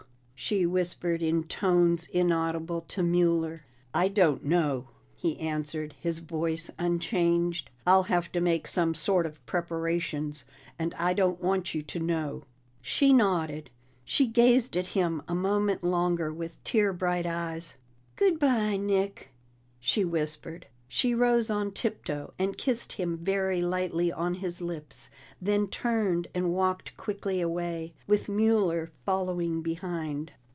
she whispered in tones inaudible to Mueller. "I don't know," he answered, his voice unchanged. "I'll have to make some sort of preparations and I don't want you to know." She nodded. She gazed at him a moment longer with tear bright eyes. "Good bye, Nick," she whispered. She rose on tiptoe, and kissed him very lightly on his lips, then turned and walked quickly away, with Mueller following behind.